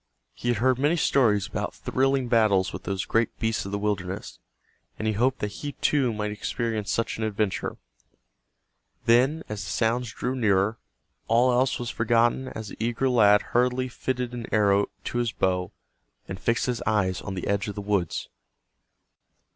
He had heard many stories about thrilling battles with those great beasts of the wilderness, and he hoped that he, too, might experience such an adventure. Then, as the sounds drew nearer, all else was forgotten as the eager lad hurriedly fitted an arrow to his bow, and fixed his eyes on the edge of the woods.